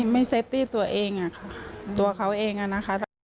ไม่เซฟตี้ตัวเองค่ะตัวเขาเองนะคะ